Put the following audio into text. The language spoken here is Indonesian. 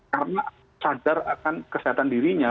karena sadar akan kesehatan dirinya